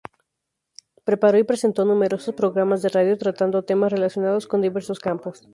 Preparó y presentó numerosos programas de radio tratando temas relacionados con diversos campos.